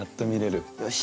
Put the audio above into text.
よし。